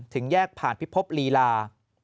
ถึงแยกผ่านพิภพลีลา